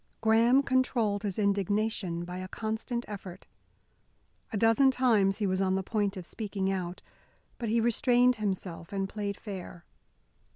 Graham controlled his indignation by a constant effort. A dozen times he was on the point of speaking out. But he restrained himself and played fair.